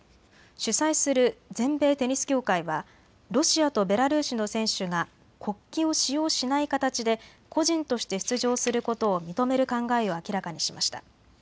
主催する全米テニス協会はロシアとベラルーシの選手が国旗を使用しない形で個人として出場することを認める考えを明らかにしました。